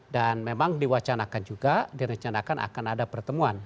dan memang diwacanakan juga direncanakan akan ada pertemuan